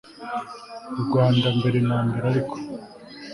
Rwanda mbere na mbere ariko